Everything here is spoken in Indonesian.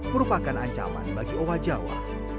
merupakan ancaman bagi owa jawa